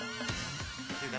っていうかな